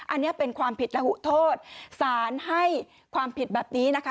อันนี้เป็นความผิดระหุโทษสารให้ความผิดแบบนี้นะคะ